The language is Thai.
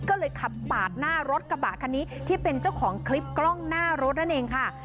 ก็เลยขับปาดหน้ารถกระบะคันนี้ที่เป็นเจ้าของคลิปกล้องหน้ารถนั่นเองค่ะ